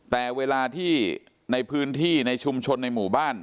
แต่เวลาที่ในพื้นที่ในชุมชนในหมู่บ้าน